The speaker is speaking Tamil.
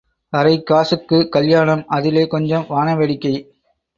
அரைக் காசுக்குக் கல்யாணம் அதிலே கொஞ்சம் வாண வேடிக்கை.